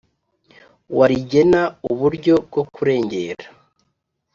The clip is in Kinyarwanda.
Wa rigena uburyo bwo kurengera